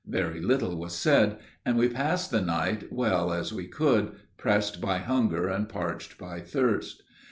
Very little was said, and we passed the night well as we could, pressed by hunger and parched by thirst.